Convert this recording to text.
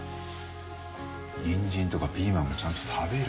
にんじんとかピーマンもちゃんと食べろよ。